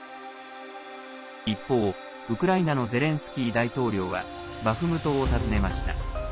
一方、ウクライナのゼレンスキー大統領はバフムトを訪ねました。